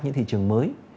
những thị trường mới